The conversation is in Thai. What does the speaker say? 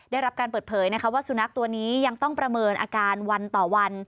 ได้รับการเปิดเผยนะคะว่าสุนัขตัวนี้ยังต้องประเมินอาการวันต่อวัน